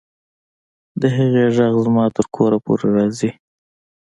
د هغې غږ زما تر کوره پورې راځي